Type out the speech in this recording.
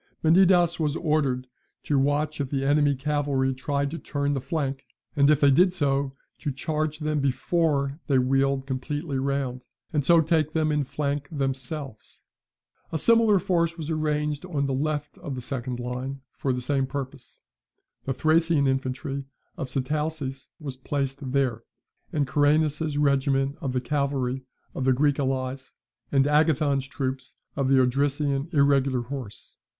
Menidas was ordered to watch if the enemy's cavalry tried to turn the flank, and if they did so, to charge them before they wheeled completely round, and so take them in flank themselves. A similar force was arranged on the left of the second line for the same purpose, The Thracian infantry of Sitalces was placed there, and Coeranus's regiment of the cavalry of the Greek allies, and Agathon's troops of the Odrysian irregular horse.